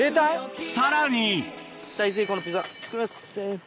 ・さらに大成功のピザ作りまっせ。